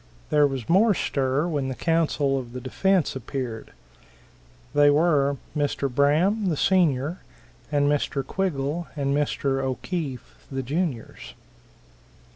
There was more stir when the counsel of the defense appeared. They were Mr. Braham, the senior, and Mr. Quiggle and Mr. O'Keefe, the juniors.